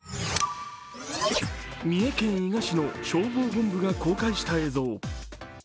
三重県伊賀市の消防本部が公開した映像。